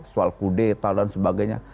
soal kudeta dan sebagainya